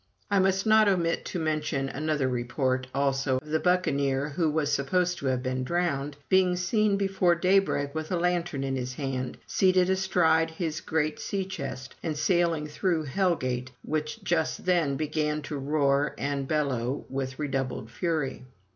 I must not omit to mention another report, also, of the buccaneer, who was supposed to have been drowned, being seen before daybreak with a lantern in his hand, seated astride of his great sea chest, and sailing through Hell gate, which just then began to roar and bellow with redoubled fury.